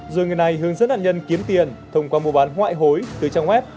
rồi người này hướng dẫn đàn nhân kiếm tiền thông qua mùa bán ngoại hối từ trang web